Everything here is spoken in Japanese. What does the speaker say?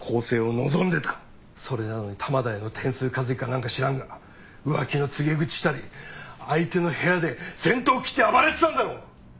それなのに玉田への点数稼ぎかなんか知らんが浮気の告げ口したり相手の部屋で先頭切って暴れてたんだろ？